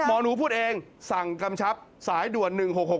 หมอหนูพูดเองสั่งกำชับสายด่วน๑๖๖